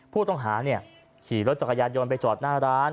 ผู้ต้องหาขี่รถจักรยานยนต์ไปจอดหน้าร้าน